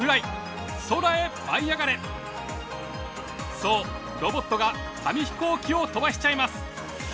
そうロボットが紙飛行機を飛ばしちゃいます。